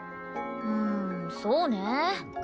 うーんそうね。